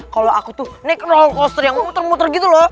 kalau aku tuh naik rollercoaster yang muter muter gitu loh